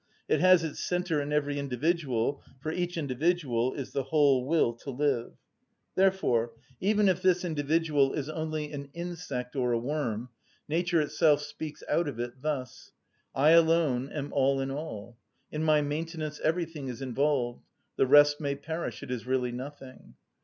It has its centre in every individual; for each individual is the whole will to live. Therefore, even if this individual is only an insect or a worm, nature itself speaks out of it thus: "I alone am all in all: in my maintenance everything is involved; the rest may perish, it is really nothing."